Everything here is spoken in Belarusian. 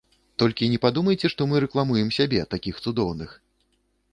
Толькі не падумайце, што мы рэкламуем сябе, такіх цудоўных!